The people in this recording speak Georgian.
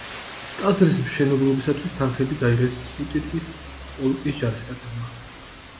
ტაძრის მშენებლობისათვის თანხები გაიღეს ბუტირკის პოლკის ჯარისკაცებმა.